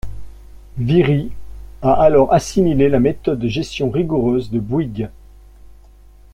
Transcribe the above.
Viry a alors assimilé la méthode de gestion rigoureuse de Bouygues.